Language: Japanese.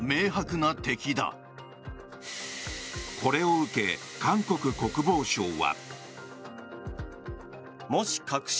これを受け、韓国国防省は。